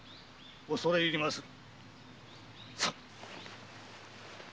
恐れ入りまする。